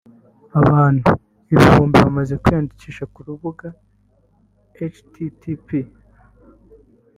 abantu ibihumbi bamaze kwiyandikisha ku rubuga http